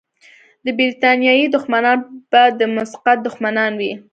د برتانیې دښمنان به د مسقط دښمنان وي.